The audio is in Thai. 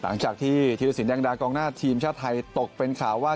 หลังจากที่ธีรสินแดงดากองหน้าทีมชาติไทยตกเป็นข่าวว่า